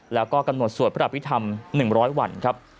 แล้วก็กำหนดสวดพระอภิษฐรรม๑๐๐วันครับ